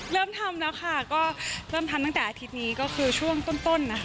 เริ่มทำแล้วค่ะก็เริ่มทำตั้งแต่อาทิตย์นี้ก็คือช่วงต้นนะคะ